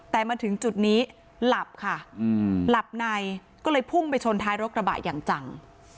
แต่มาถึงจุดนี้หลับค่ะหลับในก็เลยพุ่งไปชนท้ายรถกระบะอย่างจัง